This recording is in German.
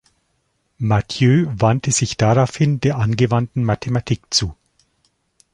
Mathieu wandte sich daraufhin der angewandten Mathematik zu.